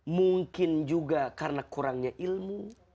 mungkin juga karena kurangnya ilmu